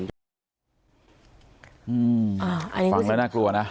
ฟังแล้วน่ากลัวนะ